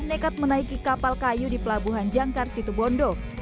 nekat menaiki kapal kayu di pelabuhan jangkar situ bondo